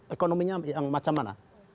ekonominya yang macam mana